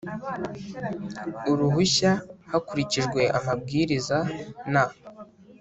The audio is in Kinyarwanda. uruhushya hakurikijwe Amabwiriza n